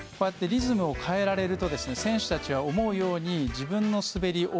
リズムを変えられると選手たちは思うように自分の滑り